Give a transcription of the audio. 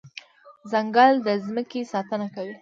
ځنګل د ځمکې ساتنه کوي.